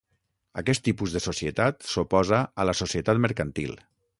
Aquest tipus de societat s'oposa a la societat mercantil.